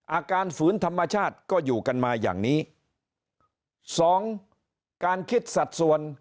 ฝืนธรรมชาติก็อยู่กันมาอย่างนี้สองการคิดสัดส่วน